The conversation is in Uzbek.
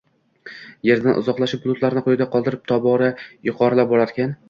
Yerdan uzoqlashib, bulutlarni quyida qoldirib tobora yuqorilab borarkan